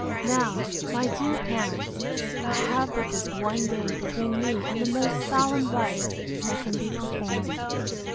Now, my dear parents, I have but this one day between me and the most solemn rite that can be performed.